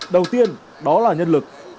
đầu tiên đó là nhân lực